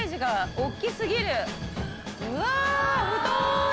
うわ太い！